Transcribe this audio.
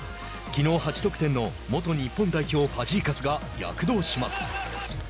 きのう８得点の元日本代表ファジーカスが躍動します。